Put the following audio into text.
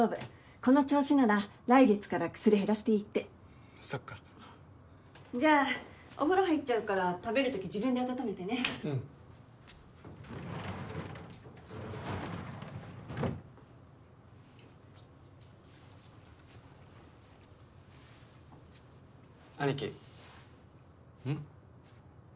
この調子なら来月から薬減らしていいってそっかじゃあお風呂入っちゃうから食べるとき自分で温めてねうん兄貴うん？